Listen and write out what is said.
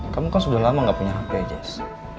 kamu kan sudah lama gak punya hp jazz